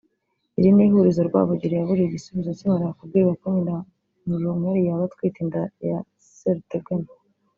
Iri ni ihurizo Rwabugili yaburiye igisubizo akimara kubwirwa ko nyina Murorunkwere yaba atwite indaro ya Seruteganya